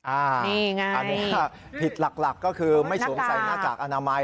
อันนี้ไงอันนี้ผิดหลักก็คือไม่สวมใส่หน้ากากอนามัย